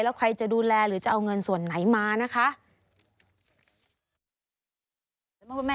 แล้วใครจะดูแลหรือจะเอาเงินส่วนไหนมานะคะ